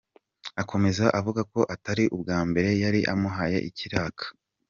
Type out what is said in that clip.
Akomeza avuga ko atari ubwa mbere yari amuhaye ikiraka.